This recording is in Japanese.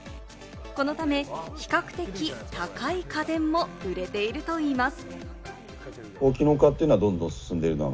このため、比較的高い家電も売れているといいます。